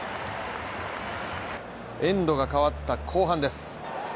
エンドが変わった後半です。